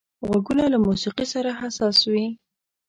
غوږونه له موسيقي سره حساس وي